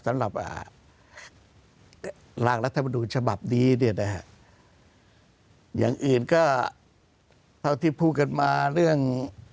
สำหรับรากรัฐบาลชบับนี้นะครับอย่างอื่นก็เท่าที่พูดกันมาเรื่อง